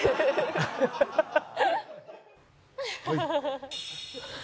ハハハハッ！